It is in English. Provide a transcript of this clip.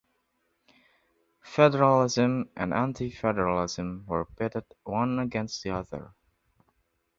Federalism and anti-federalism were pitted one against the other.